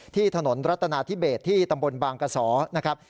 ที่ถนนรัตนาธิเบสที่ตำบลบางกระสอนะครับ